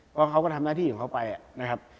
เพราะเขาก็ทำหน้าที่ของเขาไปนะครับ